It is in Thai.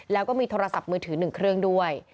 แล้วก็มีโทรศัพท์มือถือ๑เครื่องด้วย